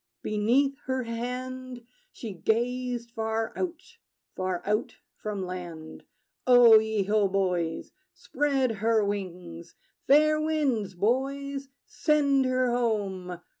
Beneath her hand She gazed far out, far out from land. O ye ho, boys! Spread her wings! Fair winds, boys: send her home!